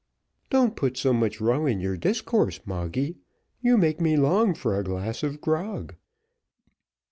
"Don't put so much rum in your discourse, Moggy, you make me long for a glass of grog."